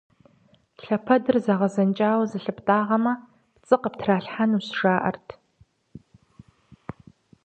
Лъэпэдыр зэгъэдзэкӀауэ зылъыптӀагъэмэ, пцӀы къыптралъхьэнущ, жаӀэрт.